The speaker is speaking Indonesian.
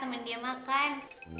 temen dia makan